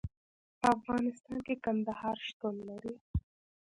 په افغانستان کې کندهار شتون لري.